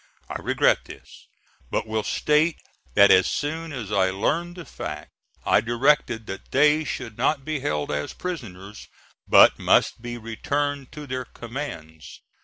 I regret this, but will state that as soon as I learned the fact, I directed that they should not be held as prisoners, but must be returned to their commands.